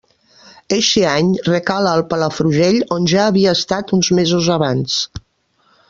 Eixe any recala al Palafrugell, on ja havia estat uns mesos abans.